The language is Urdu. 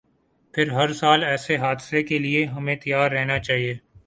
پھر ہرسال ہمیں ایسے حادثے کے لیے تیار رہنا چاہیے۔